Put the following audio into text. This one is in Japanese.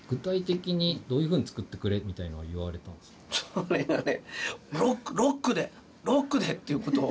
それがね。